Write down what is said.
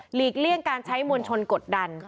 เลี่ยงการใช้มวลชนกดดัน